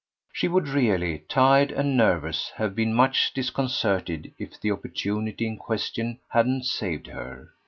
She would really, tired and nervous, have been much disconcerted if the opportunity in question hadn't saved her.